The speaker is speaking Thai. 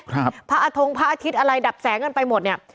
พระอาทงพระอาทิตย์อะไรดับแสงกันไปหมดเนี่ย